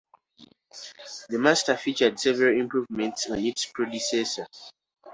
The Master featured several improvements on its predecessor.